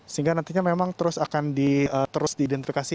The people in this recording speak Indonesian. sehingga nantinya memang terus akan terus diidentifikasi